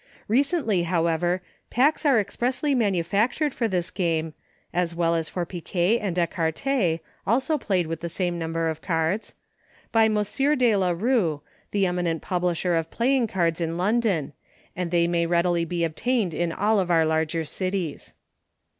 Recently, however, packs are ex pressly manufactured for this game, (as well as for Picquet and Ecar:£, also played with the same number of cards.) by M. De la Rue, the eminent publisher of playing cards in London, and they may readily be obtained in all of our larger cities.